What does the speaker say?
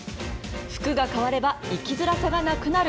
服が変われば生きづらさがなくなる。